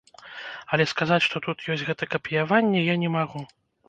Але сказаць, што тут ёсць гэта капіяванне я не магу.